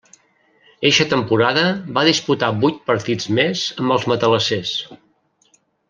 Eixa temporada va disputar vuit partits més amb els matalassers.